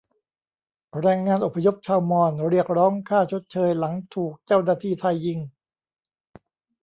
แรงงานอพยพชาวมอญเรียกร้องค่าชดเชยหลังถูกเจ้าหน้าที่ไทยยิง